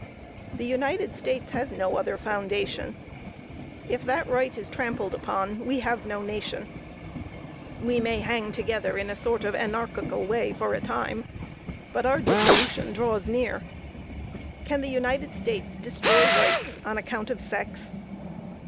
The United States has no other foundation. If that right is trampled upon, we have no nation. We may hang together in a sort of anarchical way for a time, but our dissolution draws near. Can the United States destroy rights on account of sex?